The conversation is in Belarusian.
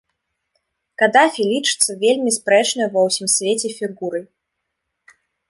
Кадафі лічыцца вельмі спрэчнай ва ўсім свеце фігурай.